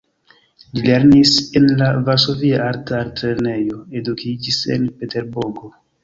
Li lernis en la Varsovia Arta Altlernejo, edukiĝis en Peterburgo.